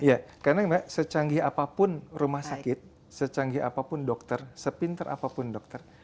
iya karena secanggih apapun rumah sakit secanggih apapun dokter sepintar apapun dokter